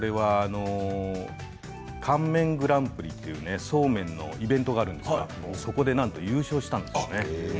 乾麺グランプリというそうめんのイベントがあるんですけれどもそこでなんと優勝したんですね。